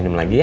tidur lagi ya